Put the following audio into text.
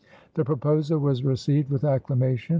The proposal was received with acclamation.